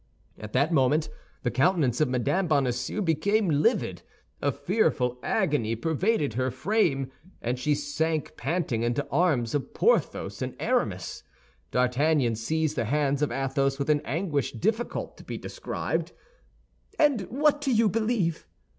At that moment the countenance of Mme. Bonacieux became livid; a fearful agony pervaded her frame, and she sank panting into the arms of Porthos and Aramis. D'Artagnan seized the hands of Athos with an anguish difficult to be described. "And what do you believe?"